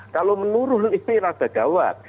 kalau menurun ini rada gawat